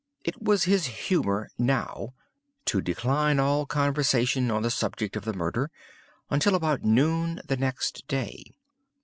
It was his humor, now, to decline all conversation on the subject of the murder, until about noon the next day.